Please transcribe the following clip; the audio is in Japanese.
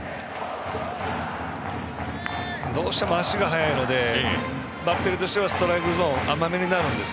どうしても足が速いのでバッテリーとしてはストライクゾーン甘めになる。